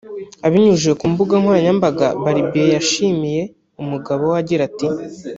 Abinyujije ku mbuga nkoranyambaga Barbie yashimiye umugabo we agira ati